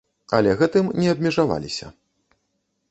Але гэтым не абмежаваліся.